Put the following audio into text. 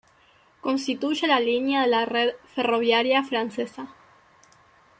Constituye la línea de la red ferroviaria francesa.